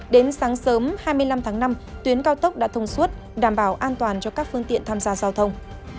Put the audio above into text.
đến sáng sớm hai mươi năm tháng năm tuyến cao tốc đã thông suốt đảm bảo an toàn cho các phương tiện tham gia giao thông